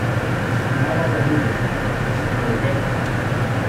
Nava Bonilla, Norberto.